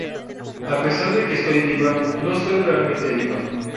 A pesar de que estoy viva, no estoy realmente viva.